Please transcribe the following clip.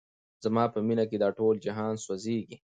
زما په مینه کي دا ټول جهان سوځیږي